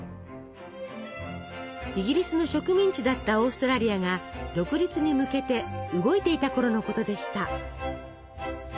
イギリスの植民地だったオーストラリアが独立に向けて動いていたころのことでした。